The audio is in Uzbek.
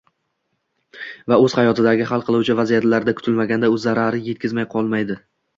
va hayotidagi hal qiluvchi vaziyatlarda kutilmaganda o‘z zararini yetkazmay qolmaydi.